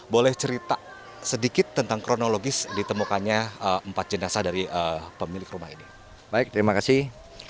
baik terima kasih